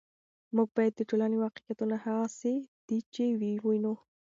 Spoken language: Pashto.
موږ باید د ټولنې واقعیتونه هغسې چې دي ووینو.